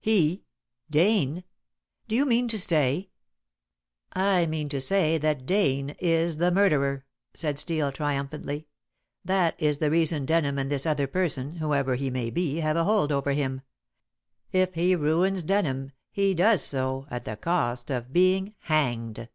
"He! Dane! Do you mean to say ?" "I mean to say that Dane is the murderer," said Steel triumphantly. "That is the reason Denham and this other person (whoever he may be) have a hold over him. If he ruins Denham, he does so at the cost of being hanged."